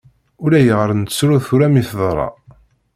Ulayɣer nettru tura mi teḍra.